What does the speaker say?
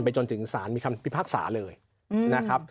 จนถึงสารมีคำพิพากษาเลยนะครับ